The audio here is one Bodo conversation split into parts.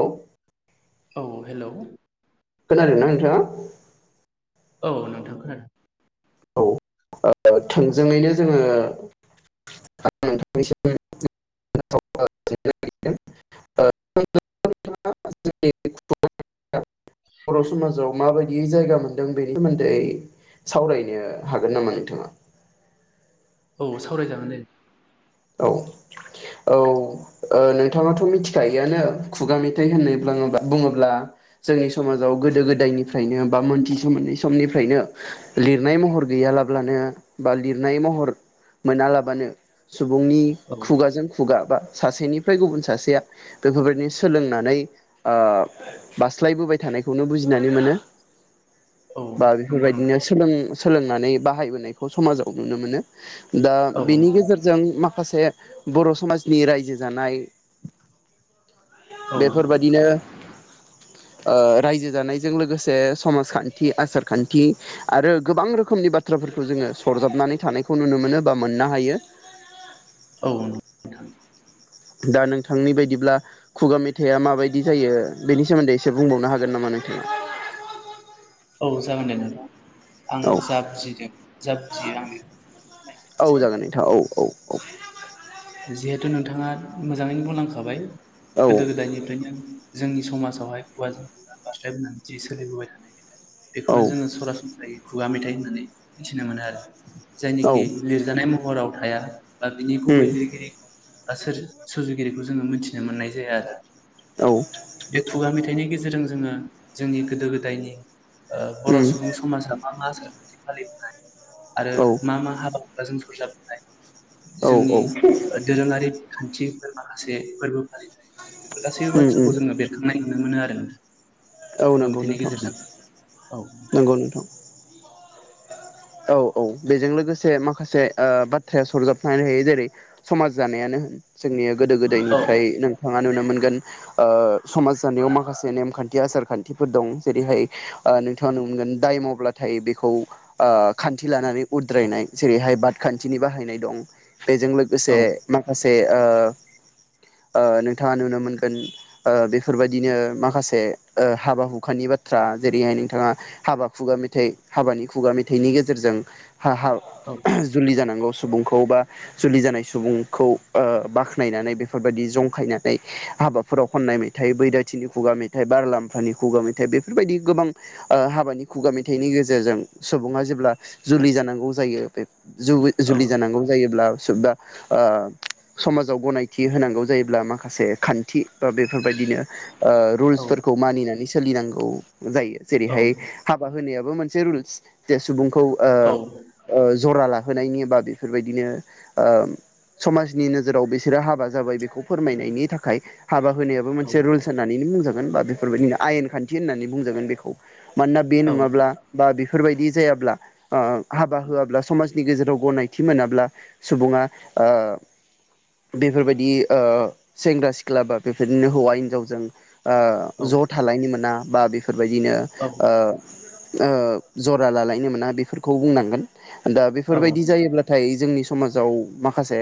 औ औ हेलौ खोनादोंना नोंथाङा औ नोंथां खोनादों औ थोंजोङैनो जोङो [unintelligible] बर' समाजाव माबायदि दि जायगा मोनदों बेनि सोमोन्दै सावराय नो हागोन नामा नोंथाङा? औ सावरायजागोन दे। औ औ औ नोंथाङाथ' मिथिखायोयानो खुगा मेथाइ होननाय ब्लाङोबा बुङोब्ला जोंनि समाजाव गोदो गोदायनिफ्रायनो बा मोनथिस मोननै समनिफ्रायनो लिरनाय महर गैयालाब्लानो बा लिरनाय महर मोनालाबानो सुबुंनि औ खुगाजों खुगा बा सासेनिफ्राय गुबुन सासेया बेफोरबायाददिनो सोलोंनानै ओ बास्लायबोबाय थानायखौनो बुजिनानै मोनो। औ बा नंगौ बेफोरबायदिनो नोंथां सोलों सोलोंनानै बाहायबोनायखौ समाजाव नुनो मोनो। दा बेनि गेजेरजों माखासे बर' समाजनि रायजो जानाय औ बेफोरबायाददिनो ओ रायजो जानायजों लोगोसे समाजखान्थि आसार खान्थि आरो गोबां रोखोमनि बाथ्राफोरखौ जोङो सरजाबनानै थानायखौ नुनो मोनो बा मोननो हायो। औ। दा नोंथांनि बायदिब्ला खुगा मेथाइआ माबायदि जायो बेनि सोमोन्दै एसे बुंबावनो हागोन नामा नोंथाङा? औ जागोन दे नोंथां। आं औ जाबुजिदों जाबुजियो आं औ जागोन नोंथां औ औ [unintelligible] जिहेथु नोंथाङा मोजाङैनो बुंलांखाबाय। औ गोदो गोदायनिफ्रायनो जोंनि समाजावहाय खुगा जों खुगा बारस्लायबोनानै जि सोलिबोबाय थानाय मेथाइ बेखौनो जोङो सरासनस्रायै खुगा मेथाइ होननानै मिथिनो मोनो आरो। औ जायनिखि लिरजानाय महराव थाया। बा बिनि गुबै उम लिर बा सोर सुजुगिरिखौ जोङो मिथिनो मोननाय जाया आरो। औ बे खुगा मेथाइनि गेजेरजों जोङो जोंनि गोदो गोदायनि‌ ओ बर' उम सुबुं समाजा मा मा जा [inaudible] आरो औ मा मा हाबा बा जों सरजाबनाय। औ औ। दोरोंआरि खान्थिफोर माखासे फोरबो बेफोर गासैबो उम उम बाथ्राखौ जोङो बेरखांनाय नुनो मोनो आरो औ खुगा नंगौ मेथाइनि नोंथां गेजेरजों औ नंगौ नोंथां औ औ बेजों लोगोसे माखासे ओ बाथ्राया सरजाबनानै थायो जेरै समाज जानायानो होन जोंनिया गोदो औ गोदायनिफ्राय नोंथां मा नुनो मोनगोन ओ समाज जानायाव माखासे नेमखान्थि आसार खान्थिफोर दं जेरैहाय ओ नोंथाङा नुनो मोनगोन दाय मावब्लाथाय बेखौ ओ खान्थि लानानै उद्रायनाय जेरैहाय बाद खान्थिनि बाहायनाय दं बेजों लोगोसे औ माखासे बे ओ ओ नोंथाङा नुनो मोनगोन ओ बेफोरबायदिनो माखासे ओ हाबा हुखानि बाथ्रा जेरैहाय नोंथाङा हाबा खुगा मेथाइ हाबानि खुगा मे थैनि गेजेरजों हा-हाब औ जुलि जानांगौ सुबुंखौ बा जुलि जानाय सुबुंखौ बाख्नायनानै बेफोरबायदि जंखायनानै हाबाफोराव खननाय मेथाइ बैराथिनि खुगा मेथाइ बार' लाम्फानि खुगा मेथाइ बेफोरबायदि गोबां ओ हाबानि खुगा मेथाइनि गेजेरजों सुबुङा जेब्ला जुलि जानांगौ जायो बे जुबि औ जुलि जानांगौ जायोब्ला सुबदा ओ समाजाव गनायथि होनांगौ जायोब्ला माखासे खान्थि बा बेफोरबायदिनो ओ औ रुल्सफोरखौ मानिनानै सो सोलिनांगौ जायो औ जेरैहाय हाबा होनायाव बो मोनसे रुल्स जे सुबुं खौ ओ औ ओ जरा लाहोनायनि बा बेफोरबायदिनो ओ समाजनि नोजोराव बिसोरो हाबा जाबाय बेखौ फोरमायनायनि थाखाय हाबा होनायाबो मोनसे रुल्स होननानैनो होनजागोन होनबा बेफोरबायदिनो आयेन खान्थि होननानै बुंजागोन बेखौ मानोना बे औ नङाब्ला बा बे फोरबायदि जायाब्ला ओ हाबा होआब्ल समाजनि गेजेराव गनायथि मोनाब्ला सुबुङा ओ बेफोरबायदि ओ सेंग्रा सिख्ला बा बेफोरदिनो हौवा हिनजावजों ओ ज' थालायनो मोना बा बि फोरबायदिनो औ ओ औ ज रा लालायनो मोना बेफोरखौ बुंनांगोन दा बेफोरबायदि जायोब्लाथाय जोंनि स माजाव माखासे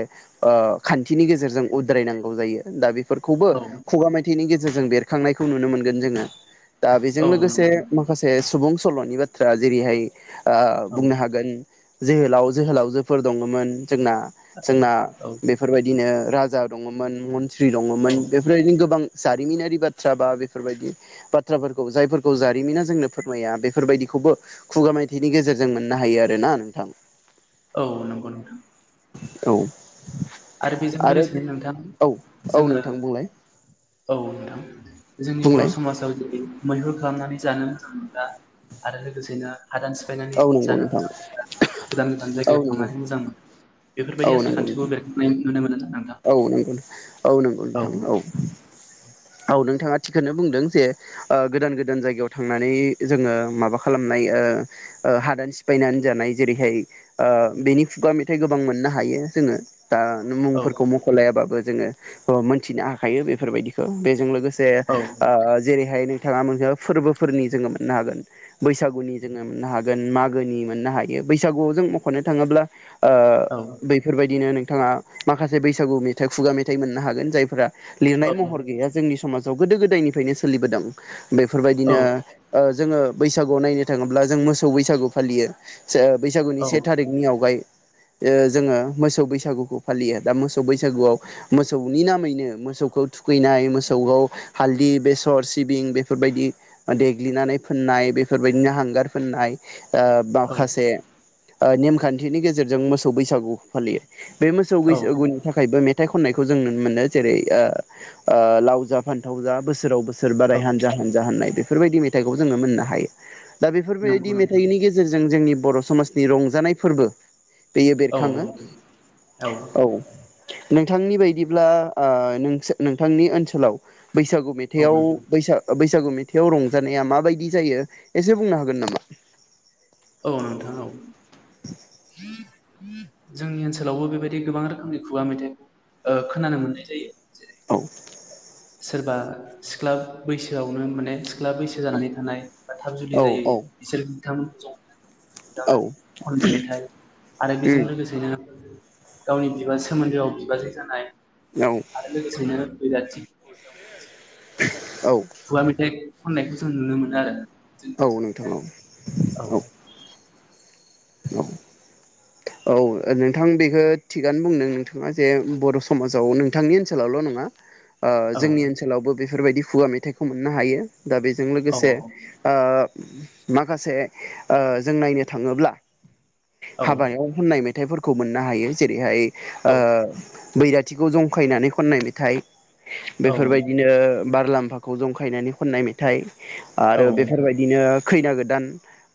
ओ खान्थिनि गेजेरजों उद्रायनांगौ जायो दा बि फोरखौबो खुगा मायथाइनि गे जों बेरखांनायखौ नुनो मोनगोन जोङो। दा बेजों लोगोसे नंगौ माखासे सुबुं सल'नि बाथ्रा जेरैहाय ओ औ बुंनो हागोन जोहोलाव जोहोलावजोफोर दङमोन जोंना, औ जोंना औ बेफोरबायदिनो राजा दङमोन मन थ्रि औ दङमोन बेफोरबायदिनो गोबां जारिमिनारि बाथ्रा बा बेफोरबायदि बाथ्राफोरखौ जायफोरखौ जारिमिना जोंनो फोरमाया बेफोरबायदिखौबो खुगा मेथाइनि गेजेरजों मोननो हायो आरो ना नोंथां। औ नंगौ नोंथां। औ आरो बेजों लोगोसे नोंथां औ औ जोङो नोंथां बुंलाय औ नोंथां। जोंनि बर' बुंलाय समाजाव जेरै मैहुर खालामनानै जानो मोजां मोनग्रा आरो लोगोसेनो हादान सिफायनानै औ नंगौ जानो नोंथां मोजां मोनग्रा गोदान गोदान औ जायगायाव नंगौ थांनानै मोजां मोनग्रा औ बेफोरबायदि आसार नंगौ खान्थिखौ नोंथां बेरखां [unintelligible] औ नंगौ औ नंगौ नोंथां औ। औ नोंथाङा थिकखौनो बुंदों जे ओ गोदान गोदान जायगायाव थांनानै जोङो माबा खालामनाय हादान सिफायनानै जानाय जेरैहाय ओ बेनि खुगानि गोबां मोननो हायो जोङो। दा औ मुंफोरखौ मख'लायाबाबो जोङो मोनथिनो हाखायो बेफोरबायदि खौ बेजों लोगोसे जे औ ओ जेरैहाय थाङा मैया फोरबोफोरनि जोङो मोननो हागोन, बैसागुनि जोङो मोननो हागोन, मागोनि मोननो हायो बैसागुआव जों मख'नो थाङोब्ला ओ औ बैफोरबायदिनो नोंथाङा माखासे बैसागु मेथाइ, खुगा मेथाइ मोननो हागोन जायफोरा लिरनाय औ महर गैया जोंनि समाज गोदो गोदायनिफ्रायनो सोलिबोदों बेफोरबायदिनो जोङो बैसागुआव नायनो थाङोब्ला जों मोसौ बैसागु फालियो। बैसागुनि औ से थारिखनि आवगाय ओ जोङो मोसौ बैसागुखौ फालियो बा मोसौ बैसागुआव मोसौनि नामैनो मोसौखौ थुखैनाय मोसौखौ हालदि बेसर सिबिं बेफोरबायदि देग्लिनानै फोननाय बेफोरबायदिनो हांगार फोननाय। ओ औ माखासे नेमखान्थिनि गेजेरजों मोसौ बैसागु फालियो। बे मोसौ औ बैसागुनि थाखायबो मेद मेथाइ खननायखौ जों नुनो मोनो जेरै ओ लाव जा फान्थाव जा बोसोराव बो सोरबाराय औ हानजा हानजा होननाय बेफोरबायदि मेथाइखौबो जोंङो मोननो हायो। दा नंगौ बेफोरबायदि नोंथां मेथाइनि गेजेरजों जोंनि बर समाजनि रंजानाय फोरबो बेयो औ बेरखाङो औ। नोंथांनि बायदिब्ला ओ नोंसो नोंथांनि ओनसोलाव बैसागु औ मेथाइआव नोंथां बैसा बैसागु मेथाइआव रंजानाया माबायदि जायो एसे बुंनो हागोन नामा? औ नोंथां औ। [inaudible] जोंनि ओनसोलावबो बेबायदि गोबां रोखोमनि खुगा मेथाइखौ ओ खोनानो मोननाय जायो। औ [inaudible] सोरबा सिख्ला बैसोआवनो माने सिख्ला बैसो जानानै थानाय बा थाब जुलि औ जायो बिसोर थाम ज औ दामानि खन मेथाइ आरो बेजों उम लोगोसेनो गावनि बिबार सोमोन्दोआव बिबाजै जानाय औ आरो लोगोसेनो बेलाथि औ [inaudible] खुगा मेथाइ खननायखौ जों नुनो मोनो आरो जोंनि औ नोंथां ओनसोलावहाय आरो। औ औ औ औ नोंथां बेखो थिगानो बुंदों नोंथांङा जे बर समाजाव नोंथांनि ओनसोलावल नंङा ओ औ जोंनि ओनसोलावबो बेफोरबायदि खुवा मेथाइखौ मोननो हायो दा बेजों औ लोगोसे ओ माखासे ओ जों नायनो थाङोब्ला। औ हाबायाव। मेथाइफोरखौ मोननो हायो जेरैहाय। ओ। औ बैराथिखौ जंखायनानै खननाय मेथाइ। औ बेफोरबायदिनो। बारलाम्फाखौ जंखायनानै खननाय मेथाइ। औ आरो बेफोरबायदिनो। खैना गोदान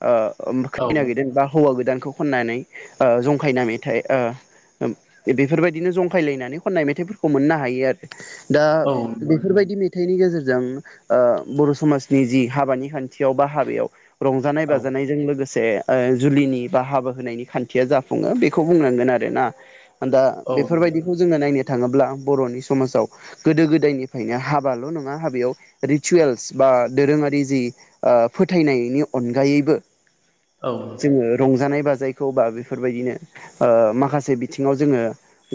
ओ। ओम खैना गोदान बा हौवा गोदान। खौ खननानै। ओ जंखायना मेथाइ ओ बेफोरबायदिनो जंखायलायनानै खननाय मेथाइफोरखौ मोननो हायो आरो। दा औ बेफोरबायदि मेथाइनि गेजेर। जों ओ बर' समाजनि जि हाबानि खान्थियाव बा हाबायाव। रंजानाय औ बाजानायजों लोगो। ए ओ जुलिनि बा हाबा होनायनि खान। थिया जाफुङो बेखौ बुंनांगोन आरो ना। दा औ नोंथां बेफोरबायदिखौ जोङो नायनो। थाङोब्ला बर'नि समाजाव गोदो गोदायनिफ्रायनो हाबाल' नङा हाबायाव रिसुयेल्स बा दोरोङारि जि फोथायनायनि अनगायैबो। औ नोंथां जोङो रंजानाय बा। जायखौ बाबो। बेफोरबायदिनो ओ माखासे बिथिङाव जोङो।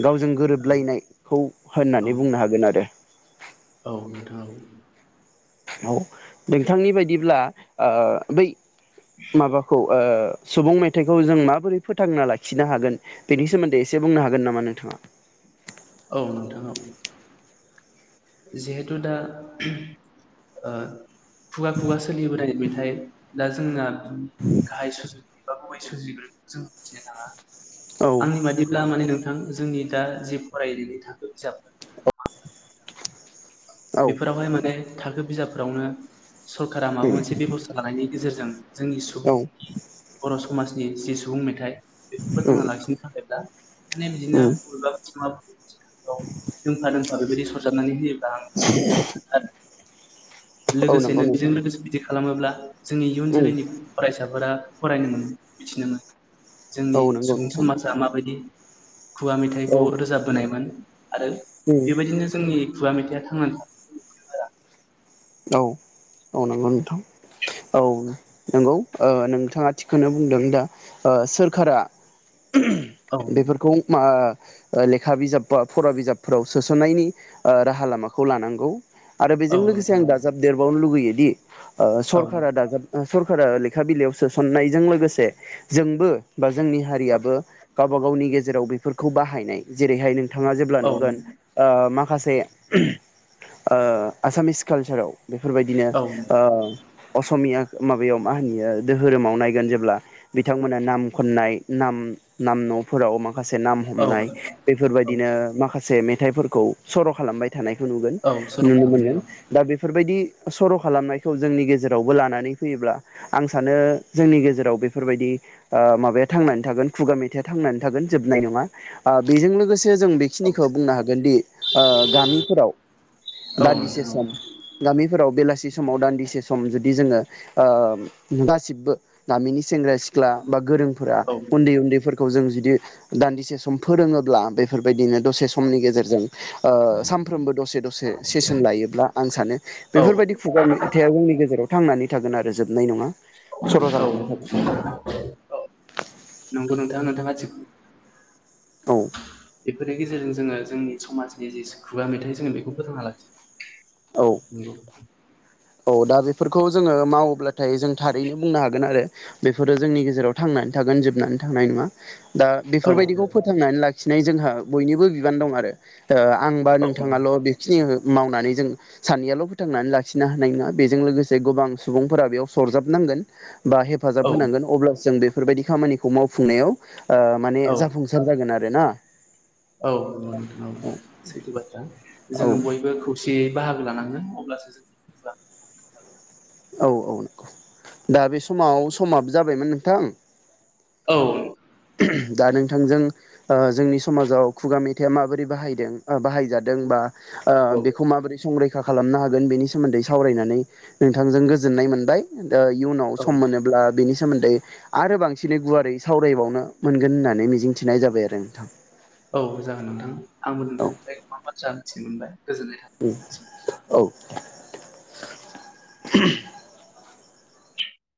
गावजों औ गोरोबलायनाय खौ औ होननानै बुंनो हागोन आरो। औ नोंथा औ। औ नोंथांनि बायदिब्ला ओ बै। माबाखौ ओ। सुबुं मेथाइखौ जों माबोरै फोथांना लाखिनो हागोन बेनि सोमोन्दै एसे बुंनो हागोन नामा नोंथाङा? औ नोंथां औ। जिहेतु दा ओ। खुगा खुगा सोलिबोनाय मे। थाइ दा जोंना गायहाय सुजुगिरि। बा गुबै सुजुगिरिखौ जों मिथिनो थाङा। औ आंनि बादिब्ला माने नों थां जोंनि दा जे फरायनायनि थाखो बिजाबफोरनि [unintelligible] औ बेफोरावहाय माने थाखो बिजाब फोरावनो सरकारा माबा उम मोनसे बेब'स्था लानायनि गेजेरजों जोंनि औ सुबुंनि बर' समाज जि जि सुबुं मेथाइ बेखौ उम फोथांना लाखिनो थाखायब्लाा माने बिदिनो उम बबेबा [unintelligible] ओ बेबायदि [unintelligible] गाहाम [unintelligible] सानो आरो औ नंगौ लोगोसेनो बेजों नोंथां लोगोसे बिदि खालामोब्ला जोंनि इयुन उम जोलैनि फरायसाफोरा फरायनोमोन मिथिनोमोन जोंनि औ नंगौ सुबुं नोंथां समाजा माबायदि खुवा औ मेथाइखौ उम रोजाबबोनायमोन आरो बेबायदिनो खुवा मेथाइआ थांनानै [unintelligible] औ औ नंगौ नोंथां औ नंगौ ओ नोंथाङा थिगखौनो बुंदों दा ओ सोरखारा औ बेफोरखौ मा ओ लेखा बिजाब बा फरा बिजाबफोराव सोसननायनि ओ राहा लामाखौ लानांगौ आरो औ बेजों लोगोसे नोंथां आं दाजाब देरबनो लुगैयो दि ओ औ सरखारा दाजाब सरखारा लेखा बिलाइयाव सोसननायजों लोगोसे जोंबो बा जोंनि हारियाबो गावबा गावनि गेजेराव बेफोरखौ बाहायनाय जेरैहाय नों थाङा जेब्ला औ नुगोन ओ माखा माखासे ओ आसामिस। कालसाराव बेफोरबायदिनो औ ओ। असमिया माबायाव मा होनोयो दोहोरोमाव नायगोन जेब्ला बिथांमोना नाम खननाय नाम नाम न'फोराव मा खासे नाम हमनाय औ बेफोरबायदिनो माखासे। से मेथाइफोरखौ सर' खालामबाय थ थानायखौ नुगोन औ सर' नुनो खालामनाय मोनगोन। औ बेफोरबायदि सर' खालामनायखौ जोंनि गेजेरावबो लानानै फैयोब्ला आं सानो जोंनि गेजेराव बेफोरबायदि ओ माबाया थांनानै थागोन खुगा मेथाइया थांनानै थागोन जोबनाय नङा ओ बेजों लोगोसे से जों औ बेखिनिखो बुंनो हागोनदि ओ गामिफोराव औ दान्दिसे नोंथां सम। गामिफोराव बेलासि समाव दान्दिसे सम जुदि जोङो ओम गासिब्बो गामिनि सेंग्रा सिख्ला बा ग गोरोंफोरा औ उन्दै उन्दैफोरख खौ जों जुदि दान्दिसे सम फोरोङोब्ला बेफोरबायदिनो दसे समनि गेजेरजों ओ सामफ्रोमबो दसे दसे चेसोन लायोब्ला। आं सानो औ बेफोरबायदि खुगा मेथाइया जोंनि गेजेराव। थांनानै थागोन आरो जोबनाय नङा। औ सर' जालांबाय थागोन औ नंगो नंग दा नोंथाङा थिग औ बेफोरनि गेजेरजों जोङो। जोंनि समाजनि जिस खुगा मेथाइ जोङो बेखौ फोथांना लाखिग औ नोंगौ। औ दा बेफोरखौ जोङो मावोब्लाथाय जों थारैनो बुंनो हागोन आरो बेफोरो जोंनि गेजेराव थांनानै थागोन जोबनानै थांनाय नङा। दा औ बेफोरबायदिखौ फोथांनानै लाखि सिनाय जोंहा बयनिबो बिबान दं आरो। ओ आंबा औ नोंथाङाल' बेखिनिखो मावनानै जों सानैयाल' फोथांनानै लाखि ना होन्नाय नङा बेजों लोगोसे गोबां सुबुंफोरा बेयाव सरजाबनांगोन। बा हेफाजाब औ होनांगोन अब्लासो जों बेफो बेफोरबायदि खामानिखौ मावफुंनायाव। ओ माने औ जाफुंसार जागोन आर रो ना। औ नोंथां औ सैथो बाथ्रा। औ जोङो बयबो खौसे। दियै बाहागो लानांगोन अब्लासो जों [inaudible] औ औ नंगौ दा बे समाव समाबो जाबायमोन नोंथां। औ दा नोंथांजों ओ जोंनि समाजाव खुगा मेथाइया माबोरै बाहायदों ओ बाहायजादों बा ओ औ बेखौ माबोरै संरै खा खालामनो हागोन बेनि सोमोन्दै सावरायनानै नोंथांजों गोजोननाय मोनबाय। ओ इयुनाव औ सम मोनोब्ला बिनि सो सोमोन्दै आरो बांसिनै गुवारै सावरायबावनो मोनगोन होननानै मिजिंथिनाय जाबाय आरो नोंथां। औ जागोन नोंथां। आंबो नोंथांनिफ्राय गोबां बाथ्रा मोनथिनो मोनबाय। गोजोननाय उम थाबाय औ [inaudible]